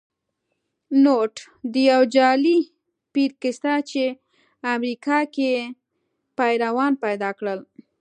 نوټ: د یو جعلې پیر کیسه چې امریکې کې پیروان پیدا کړل